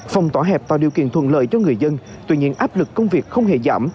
phòng tỏa hẹp tạo điều kiện thuận lợi cho người dân tuy nhiên áp lực công việc không hề giảm